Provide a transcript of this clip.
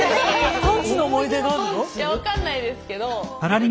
いや分かんないですけど。